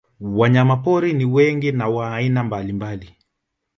Wanyamapori ni wengi na wa aina mbalimbali